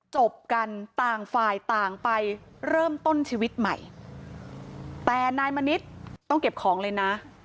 จบกันต่างฝ่ายต่างไปเริ่มต้นชีวิตใหม่แต่นายมณิษฐ์ต้องเก็บของเลยนะ